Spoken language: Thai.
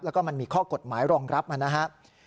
แล้วก็มันมีข้อกฎหมายรองรับนะครับ